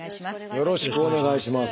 よろしくお願いします。